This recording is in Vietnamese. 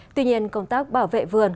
tuy nhiên công tác bảo vệ vườn